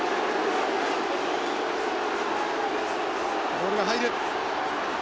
ボールが入る。